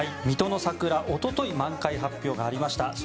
水戸の桜おととい満開発表がありました。